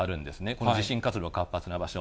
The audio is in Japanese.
この地震活動、活発な場所。